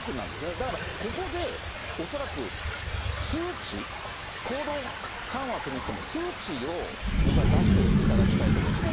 だからここで恐らく数値、行動緩和するにしても、数値を僕は出していただきたいと思うんですね。